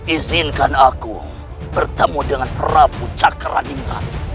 izinkan aku bertemu dengan prabu cakraningan